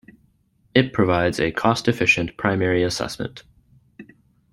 It provides a cost-efficient primary assessment.